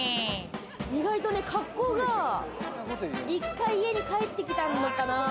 意外と格好が１回、家に帰ってきたのかな？